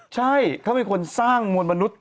ใช่เขาเป็นคนสร้างมวลมนุษย